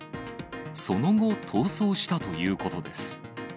その後、逃走したということです。